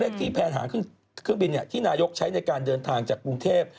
และเลขติแพนหางเครื่องบินนี่ที่นายกใช้ในการเดินทางจากกรุงเทพ